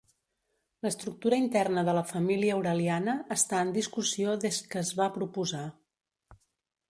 L’estructura interna de la família uraliana està en discussió des que es va proposar.